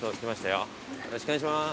よろしくお願いします。